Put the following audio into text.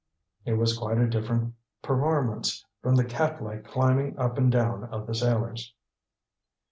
It was quite a different performance from the catlike climbing up and down of the sailors.